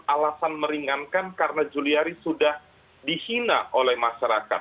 alasan meringankan karena juliari sudah dihina oleh masyarakat